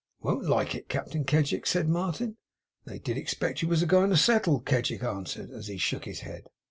'Won't like it, Captain Kedgick!' said Martin. 'They did expect you was a going to settle,' Kedgick answered, as he shook his head.